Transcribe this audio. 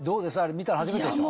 見たの初めてでしょ？